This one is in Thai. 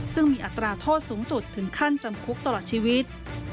ซึ่งมีอัตราโทษสูงสุดถึงขั้นจำคุกตลอดชีวิต